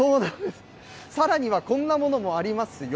さらにはこんなものもありますよ。